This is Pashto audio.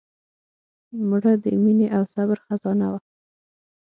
مړه د مینې او صبر خزانه وه